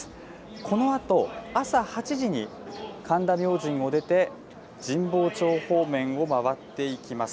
このあと、朝８時に神田明神を出て、神保町方面を回っていきます。